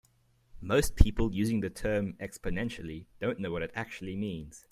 Most people using the term "exponentially" don't know what it actually means.